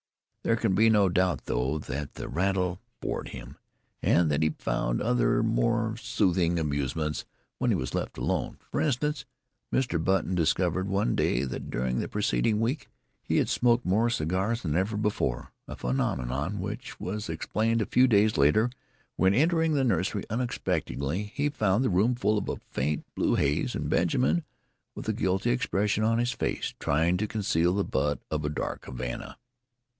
There can be no doubt, though, that the rattle bored him, and that he found other and more soothing amusements when he was left alone. For instance, Mr. Button discovered one day that during the preceding week he had smoked more cigars than ever before a phenomenon, which was explained a few days later when, entering the nursery unexpectedly, he found the room full of faint blue haze and Benjamin, with a guilty expression on his face, trying to conceal the butt of a dark Havana.